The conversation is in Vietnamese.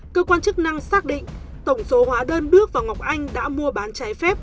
cơ quan chức năng xác định tổng số hóa đơn bước và ngọc anh đã mua bán trái phép